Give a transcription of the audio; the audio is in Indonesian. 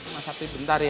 mas afif bentar ya